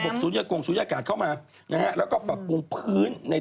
ดูสะอาดมากมันไม่ใช่อย่างนี้